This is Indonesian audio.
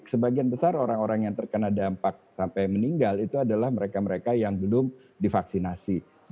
sebagian besar orang orang yang terkena dampak sampai meninggal itu adalah mereka mereka yang belum divaksinasi